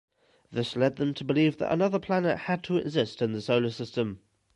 This led them to believe that another planet had to exist in the solar system.